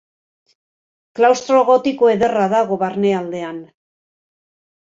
Klaustro gotiko ederra dago barnealdean.